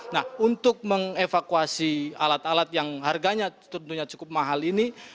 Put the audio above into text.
nah untuk mengevakuasi alat alat yang harganya tentunya cukup mahal ini